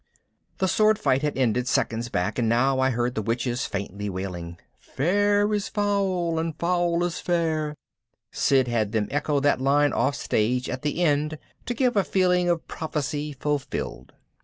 The sword fight had ended seconds back and now I heard the witches faintly wailing, "Fair is foul, and foul is fair " Sid has them echo that line offstage at the end to give a feeling of prophecy fulfilled.